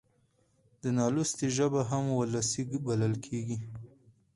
د نالوستي ژبه هم وولسي بلل کېږي.